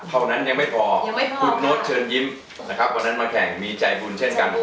เท่านั้นยังไม่พอคุณโน๊ตเชิญยิ้มนะครับวันนั้นมาแข่งมีใจบุญเช่นกัน